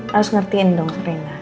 harus ngertiin dong rena